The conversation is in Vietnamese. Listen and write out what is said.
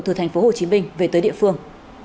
từ thành phố hồ chí minh về tới địa phương